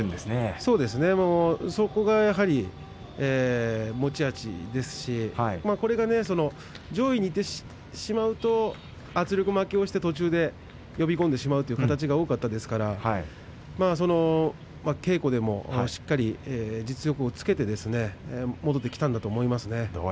そうですね、そこがやはり持ち味ですしこれが上位にいってしまうと圧力負けをして途中で呼び込んでしまうという形が多かったですから稽古でしっかり実力をつけて戻ってきたんだと思いますね。